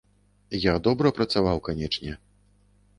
Я добра працаваў, канечне.